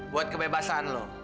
buat kebebasan lu